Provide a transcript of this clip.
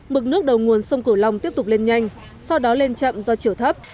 mực nước đầu nguồn sông cửu long tiếp tục lên nhanh sau đó lên chậm do chiều thấp